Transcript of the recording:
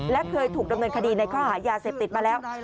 และเคยถูกดำเนินคดีในข้อหายาเสพติดมาแล้ว